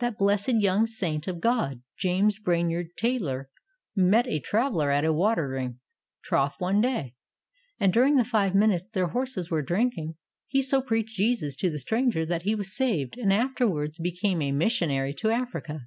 That blessed young saint of God, James Brainerd Taylor, met a traveler at a water ing trough one day, and during the five minutes their horses were drinking he so preached Jesus to the stranger that he was saved and afterwards became a mission ary to Africa.